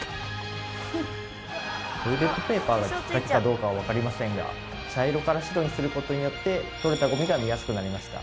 トイレットペーパーがキッカケかどうかはわかりませんが茶色から白にすることによって取れたゴミが見やすくなりました。